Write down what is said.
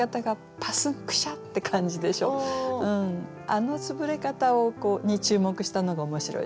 あの潰れ方に注目したのが面白いですね。